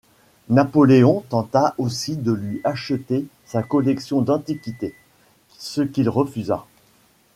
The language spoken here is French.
Napoléon tenta aussi de lui acheter sa collection d'antiquités, ce qu'il refusa.